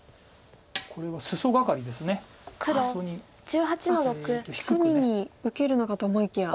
隅に受けるのかと思いきや。